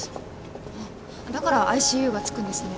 ああだから「ＩＣＵ」がつくんですね。